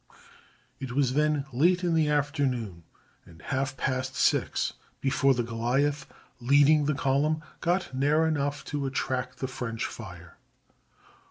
It was then late in the afternoon, and half past six before the Goliath, leading the column, got near enough to attract the French fire.